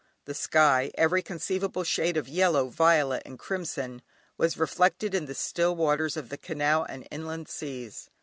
The sky, every conceivable shade of yellow, violet and crimson, was reflected in the still waters of the canal and inland seas.